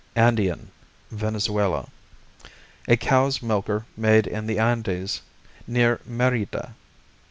Andean Venezuela A cow's milker made in the Andes near Mérida.